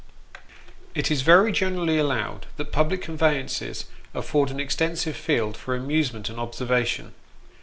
IT is very generally allowed that public conveyances afford an extensive field for amusement and observation.